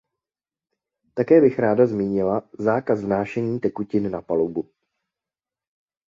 Také bych ráda zmínila zákaz vnášení tekutin na palubu.